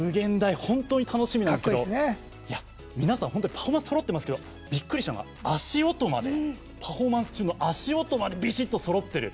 本当に楽しみなんですけどパフォーマンスそろってますがびっくりするのがパフォーマンス中の足音までびしっとそろっている。